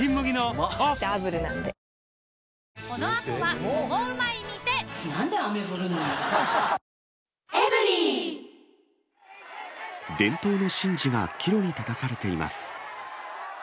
うまダブルなんで伝統の神事が岐路に立たされています。